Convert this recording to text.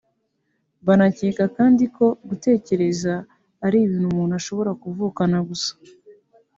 banakeka kandi ko gutekereza ari ibintu umuntu ashobora kuvukana gusa